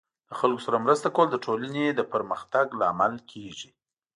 د خلکو سره مرسته کول د ټولنې د پرمختګ لامل کیږي.